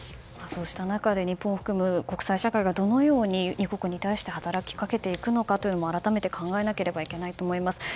そうした中で日本を含む国際社会がどのように２国に対して働きかけていくかも改めて考えなければいけないと思います。